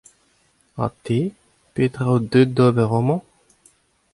Ha te, petra out deuet d’ober amañ ?